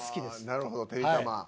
なるほどてりたま。